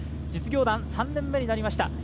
実業団３年目になりました。